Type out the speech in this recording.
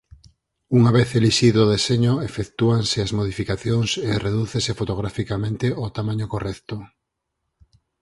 Unha vez elixido o deseño efectúanse as modificacións e redúcese fotograficamente ó tamaño correcto.